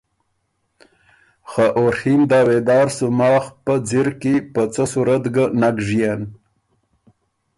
خه او ڒیم دعوېدار سو ماخ پۀ ځِر کی په څۀ صورت ګۀ نک ژيېن۔